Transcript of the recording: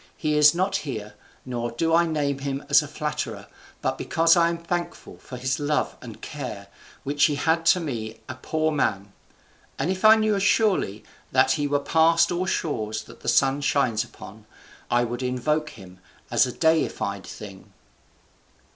He is not here, nor do I name him as a flatterer, but because I am thankful for his love and care which he had to me a poor man; and if I knew surely that he were past all shores that the sun shines upon, I would invoke him as a deified thing."